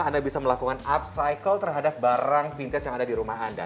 anda bisa melakukan upcycle terhadap barang vintage yang ada di rumah anda